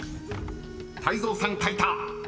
［泰造さん書いた］